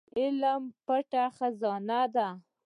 علم يوه پټه خزانه ده.